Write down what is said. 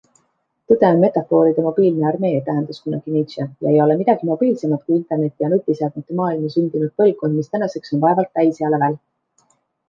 Tõde on metafooride mobiilne armee, tähendas kunagi Nietzsche, ja ei ole midagi mobiilsemat kui interneti ja nutiseadmete maailma sündinud põlvkond, mis tänaseks on vaevalt täisea lävel.